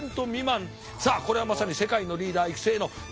さあこれはまさに世界のリーダー育成の虎の穴状態。